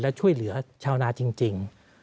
และช่วยเหลือชาวนาจริง